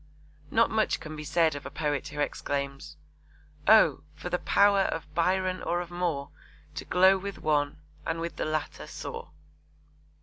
Not much can be said of a poet who exclaims: Oh, for the power of Byron or of Moore, To glow with one, and with the latter soar.